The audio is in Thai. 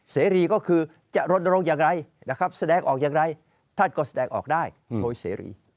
เสรีก็คือจะรณรงค์อย่างไรนะครับแสดงออกอย่างไรท่านก็แสดงออกได้โดยเสรี